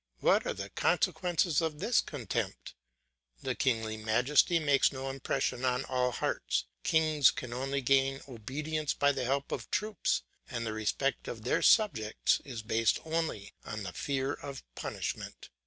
What are the consequences of this contempt? The kingly majesty makes no impression on all hearts, kings can only gain obedience by the help of troops, and the respect of their subjects is based only on the fear of punishment.